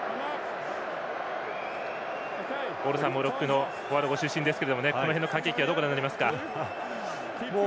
大野さんもロックのフォワード出身ですがこの辺の駆け引きはどこが大事ですか？